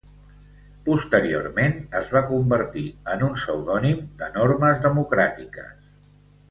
Posteriorment, es va convertir en un pseudònim de normes democràtiques.